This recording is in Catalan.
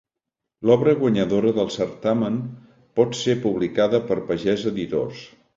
L'obra guanyadora del certamen pot ser publicada per Pagès Editors.